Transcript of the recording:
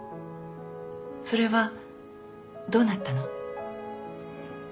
それはどうなったの？